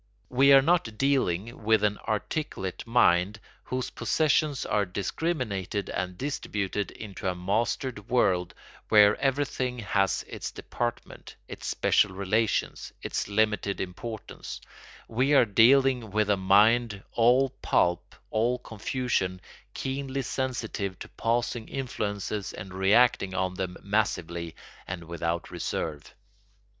We are not dealing with an articulate mind whose possessions are discriminated and distributed into a mastered world where everything has its department, its special relations, its limited importance; we are dealing with a mind all pulp, all confusion, keenly sensitive to passing influences and reacting on them massively and without reserve.